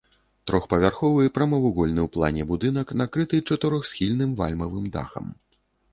Трохпавярховы прамавугольны ў плане будынак накрыты чатырохсхільным вальмавым дахам.